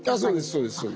そうですそうです。